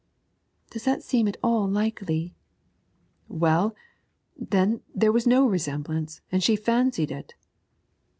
'Does that seem at all likely?' 'Well, then, there was no resemblance, and she fancied it.'